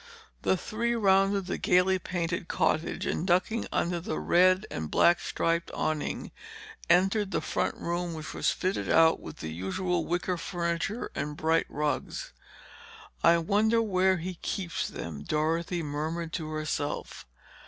The three rounded the gaily painted cottage and ducking under the red and black striped awning, entered the front room which was fitted out with the usual wicker furniture and bright rugs. "I wonder where he keeps them," Dorothy murmured to herself.